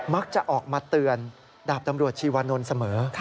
มักจะออกมาเตือนดาบตำรวจชีวานนท์เสมอ